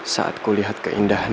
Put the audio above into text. saat ku lihat keindahan